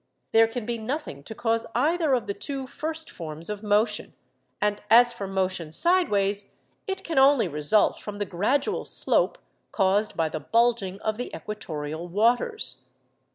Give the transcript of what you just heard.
There can be nothing to cause either of the two first forms of motion; and as for motion sideways, it can only result from the gradual slope caused by the bulging of the equatorial waters.